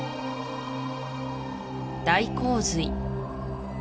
大洪水